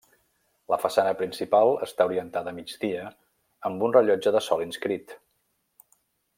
La façana principal està orientada a migdia amb un rellotge de sol inscrit.